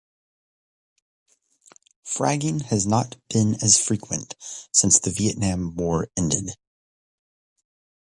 Fragging has not been as frequent since the Vietnam War ended.